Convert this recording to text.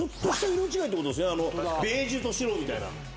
ベージュと白みたいな。